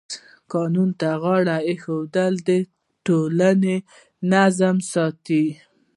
قانون ته غاړه ایښودل د ټولنې نظم ساتي.